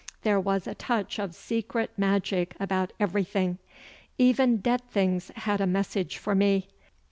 There was a touch of secret magic about everything. Even dead things had a message for me.